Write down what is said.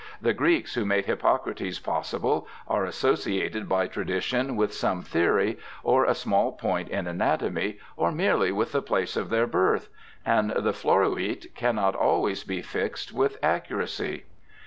The Greeks who made Hippocrates possible are associated b}' tradition with some theory, or a small point in anatomy, or merely with the place of their birth ; and the ' floniit ' cannot always be fixed with accuracy.